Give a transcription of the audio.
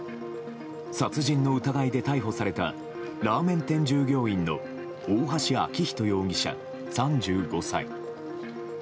殺人の疑いで逮捕されたラーメン店従業員の大橋昭仁容疑者、３５歳。